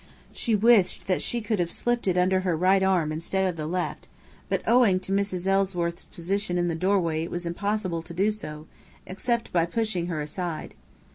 She wished that she could have slipped it under her right arm instead of the left, but owing to Mrs. Ellsworth's position in the doorway it was impossible to do so, except by pushing her aside.